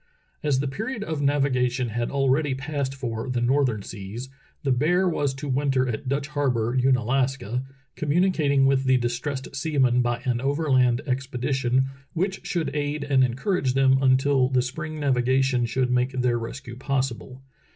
As the period of navigation had already passed for the northern seas, the Bear was to winter at Dutch Harbor, Unalaska, communicating with the distressed seamen by an overland expedition, which should aid and encourage them until the spring navigation should make their rescue possible.